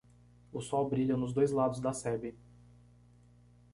O sol brilha nos dois lados da sebe.